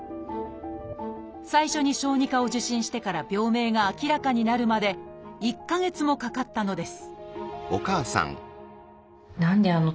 最初に小児科を受診してから病名が明らかになるまで１か月もかかったのです